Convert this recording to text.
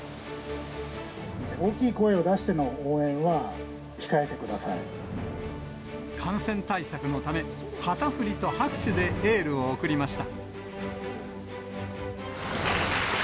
大きい声を出しての応援は控感染対策のため、旗振りと拍手でエールを送りました。